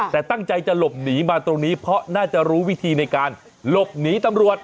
แต่ตั้งใจจะหลบหนีมาตรงนี้เพราะน่าจะรู้วิธีในการหลบหนีตำรวจ